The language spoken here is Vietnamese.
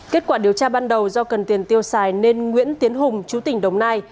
kết quả điều tra ban đầu do cần tiền tiêu xài nên nguyễn tiến hùng chú tỉnh đồng nai